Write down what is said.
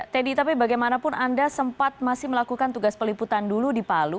tedy bagaimanapun anda masih sempat melakukan tugas peliputan di palu